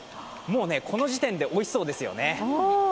この時点で、おいしそうですよね。